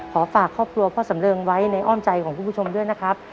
ฝากครอบครัวพ่อสำเริงไว้ในอ้อมใจของคุณผู้ชมด้วยนะครับ